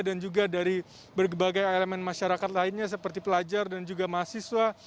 dan juga dari berbagai elemen masyarakat lainnya seperti pelajar dan juga mahasiswa